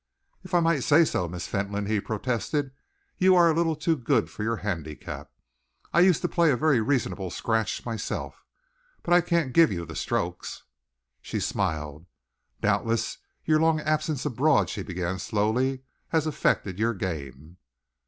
"If I might say so, Miss Fentolin," he protested, "you are a little too good for your handicap. I used to play a very reasonable scratch myself, but I can't give you the strokes." She smiled. "Doubtless your long absence abroad," she began slowly, "has affected your game."